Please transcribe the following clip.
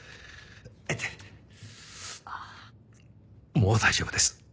もう大丈夫です。